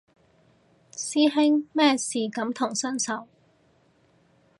師兄咩事感同身受